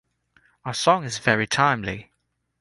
Our song is very timely!